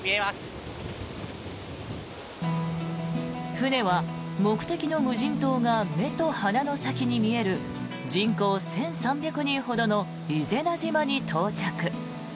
船は目的の無人島が目と鼻の先に見える人口１３００人ほどの伊是名島に到着。